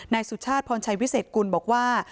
สุชาติพรชัยวิเศษกุลบอกว่า